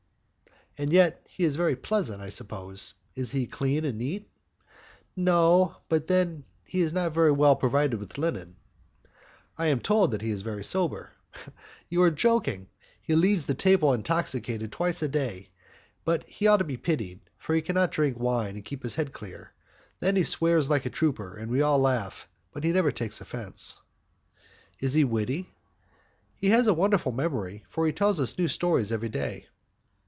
"And yet he is very pleasant, I suppose. Is he clean and neat?" "No, but then he is not yet well provided with linen." "I am told that he is very sober." "You are joking. He leaves the table intoxicated twice a day, but he ought to be pitied, for he cannot drink wine and keep his head clear. Then he swears like a trooper, and we all laugh, but he never takes offence." "Is he witty?" "He has a wonderful memory, for he tells us new stories every day."